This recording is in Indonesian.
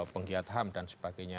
penggiat ham dan sebagainya